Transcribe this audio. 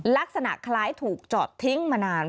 ลักษณะคล้ายถูกจอดทิ้งมานาน